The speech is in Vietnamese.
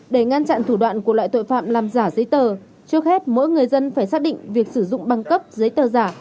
để ngăn chặn thủ đoạn của loại tội phạm làm giả giấy tờ trước hết mỗi người dân phải xác định việc sử dụng băng cấp giấy tờ giả